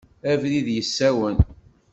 Abrid yessawen.